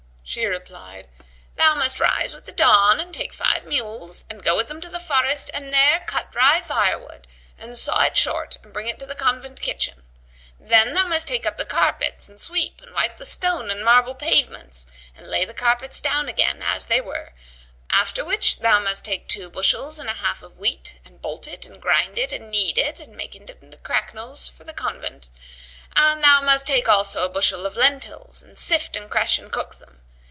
She replied, "Thou must rise with the dawn and take five mules and go with them to the forest and there cut dry fire wood and saw it short and bring it to the convent kitchen. Then must thou take up the carpets and sweep and wipe the stone and marble pavements and lay the carpets down again, as they were; after which thou must take two bushels and a half of wheat and bolt it and grind it and knead it and make it into cracknels[FN#118] for the convent; and thou must take also a bushel of lentils[FN#119] and sift and crush and cook them.